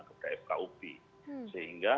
kepada fkup sehingga